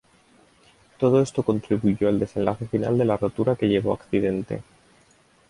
Todo esto contribuyó al desenlace final de la rotura que llevó accidente.